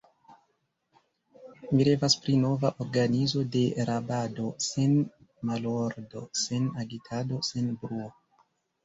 Mi revas pri nova organizo de rabado, sen malordo, sen agitado, sen bruo.